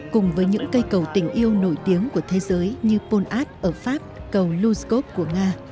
cùng với những cây cầu tình yêu nổi tiếng của thế giới như polard ở pháp cầu luskov của nga